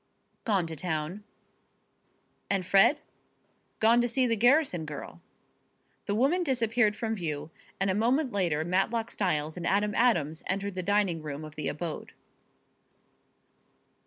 "Gone to town." "And Fred?" "Gone to see the Garrison girl." The woman disappeared from view, and a moment later Matlock Styles and Adam Adams entered the dining room of the abode.